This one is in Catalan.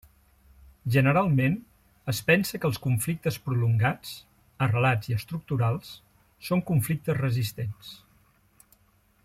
Generalment es pensa que els conflictes prolongats, arrelats i estructurals són conflictes resistents.